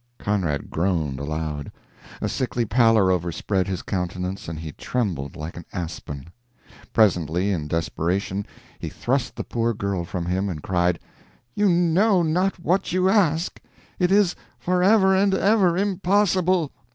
Conrad groaned aloud. A sickly pallor overspread his countenance, and he trembled like an aspen. Presently, in desperation, he thrust the poor girl from him, and cried: "You know not what you ask! It is forever and ever impossible!"